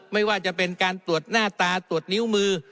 ไม่ว่าจะเป็นการตรวจหน้าตาตรวจนิ้วมือ